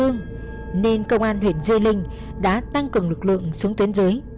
nên công an huyện di linh đã tăng cường lực lượng xuống tuyến dưới